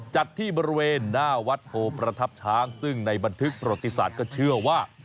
จัดที่บริเวณหน้าวัดโพประทับช้างซึ่งในบันทึกประวัติศาสตร์ก็เชื่อว่า